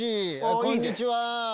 こんにちは。